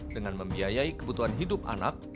dengan membiayai kebutuhan hidup anak